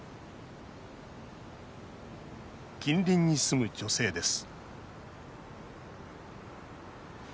近隣に住む女性です